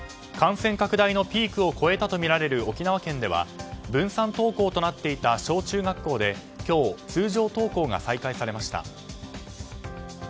感染拡大のピークを越えたとみられる沖縄県では分散登校となっていた小中学校で今日通常登校が再開されました。